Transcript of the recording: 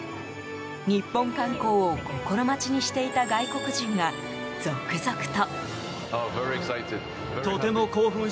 日本観光を心待ちにしていた外国人が続々と。